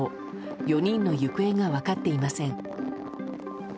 ４人の行方が分かっていません。